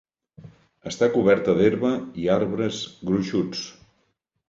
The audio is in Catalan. Està coberta d'herba i arbres gruixuts.